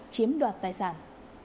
chiếm đoạt tài sản